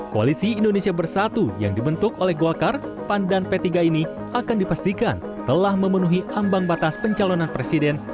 koalisi indonesia bersatu yang dibentuk oleh golkar pan dan p tiga ini akan dipastikan telah memenuhi ambang batas pencalonan presiden